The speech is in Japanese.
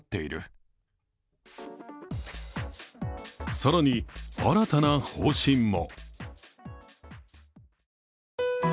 更に新たな方針も。